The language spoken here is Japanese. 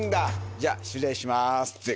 じゃあ失礼しますって。